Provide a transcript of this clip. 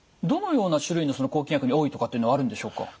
どのような種類の抗菌薬に多いとかっていうのはあるんでしょうか？